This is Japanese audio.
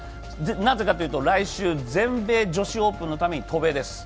なぜかというと、来週、全米女子オープンのために渡米です。